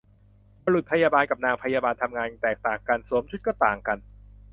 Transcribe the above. บุรุษพยาบาล กับนางพยาบาล ทำงานแตกต่างกัน สวมชุดก็ต่างกัน